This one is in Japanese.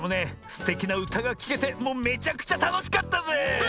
すてきなうたがきけてもうめちゃくちゃたのしかったぜ！